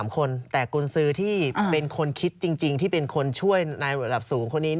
๓คนแต่กุญสือที่เป็นคนคิดจริงที่เป็นคนช่วยนายระดับสูงคนนี้